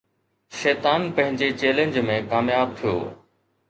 شيطان پنهنجي چئلينج ۾ ڪامياب ٿيو